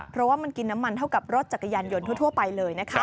เพราะว่ามันกินน้ำมันเท่ากับรถจักรยานยนต์ทั่วไปเลยนะคะ